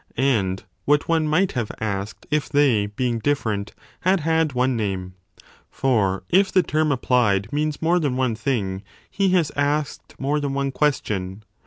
and what one might have asked if they, being different, had had one name ? For if the term applied means more than one thing, he has asked more than one question.